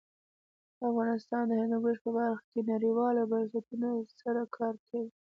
افغانستان د هندوکش په برخه کې نړیوالو بنسټونو سره کار کوي.